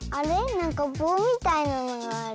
なんかぼうみたいなものある。